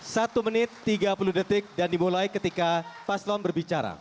satu menit tiga puluh detik dan dimulai ketika paslon berbicara